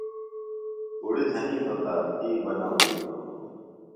اُڑیۡ تھنیتوۡ تہ، تی بہ نہ اُڑیتوۡ ہِنوۡ